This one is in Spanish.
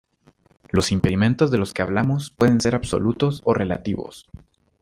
Los impedimentos de los que hablamos, pueden ser absolutos o relativos.